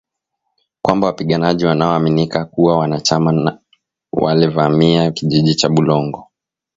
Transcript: kwamba wapiganaji wanaoaminika kuwa wanachama wa walivamia kijiji cha Bulongo